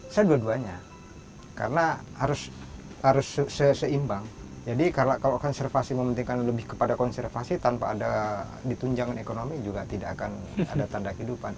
saya dua duanya karena harus seimbang jadi kalau konservasi mementingkan lebih kepada konservasi tanpa ada ditunjangan ekonomi juga tidak akan ada tanda kehidupan